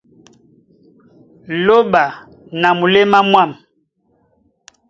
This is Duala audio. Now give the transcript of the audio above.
Lóɓa na muléma mwâm.